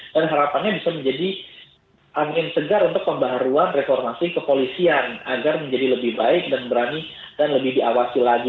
dan harapannya bisa menjadi angin segar untuk pembaruan reformasi kepolisian agar menjadi lebih baik dan berani dan lebih diawasi lagi